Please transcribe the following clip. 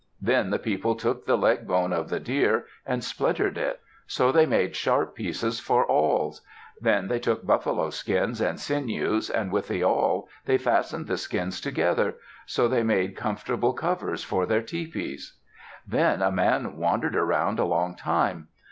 Then the people took the leg bone of the deer and splintered it So they made sharp pieces for awls. Then they took buffalo skins and sinews, and with the awl they fastened the skins together. So they made comfortable covers for their tepees. Then a man wandered around a long time.